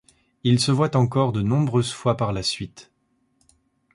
Ils se voient encore de nombreuses fois par la suite.